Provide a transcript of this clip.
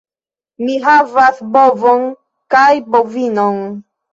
Mi havas bovon kaj bovinon.